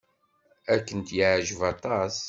Ad kent-yeɛjeb aṭas.